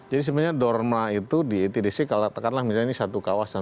jadi sebenarnya dorma itu di etdc kalau tekanlah misalnya ini satu kawasan